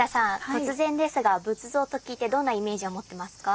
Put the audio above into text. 突然ですが仏像と聞いてどんなイメージを持ってますか？